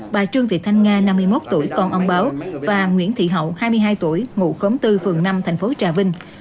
bà trương thị thanh nga năm mươi một tuổi con ông báo và nguyễn thị hậu hai mươi hai tuổi ngụ khống bốn phường năm thành phố trà vinh